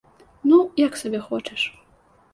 Ну, як сабе хочаш!